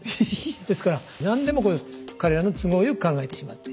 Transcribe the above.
ですから何でも彼らの都合よく考えてしまって。